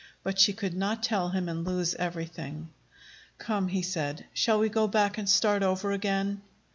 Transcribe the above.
But she could not tell him and lose everything. "Come," he said. "Shall we go back and start over again?"